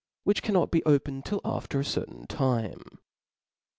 j^^g» which cannot be opened till after a certain time.